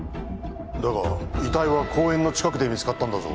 だが遺体は公園の近くで見つかったんだぞ。